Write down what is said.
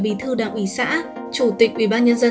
bì thư đảng ủy xã chủ tịch ubnd